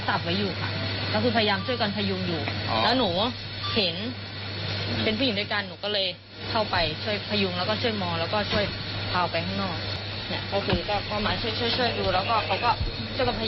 ตามที่ภาพที่คุณผู้ชมเห็นในกล้องวงจรปิดไป